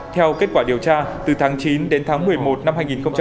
theo kết quả điều tra từ tháng chín đến tháng một mươi một năm hai nghìn hai mươi